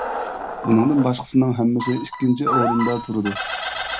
ئۇنىڭدىن باشقىسىنىڭ ھەممىسى ئىككىنچى ئورۇندا تۇرىدۇ.